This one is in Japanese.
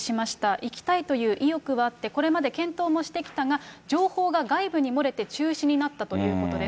行きたいという意欲はあって、これまで、検討もしてきたが、情報が外部に漏れて中止になったということです。